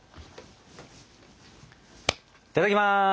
いただきます！